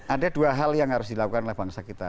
ada dua hal yang harus dilakukan oleh bangsa kita